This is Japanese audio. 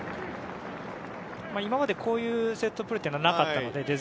今までこういうセットプレーはなかったので。